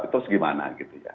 terus gimana gitu ya